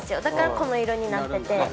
だからこの色になってて。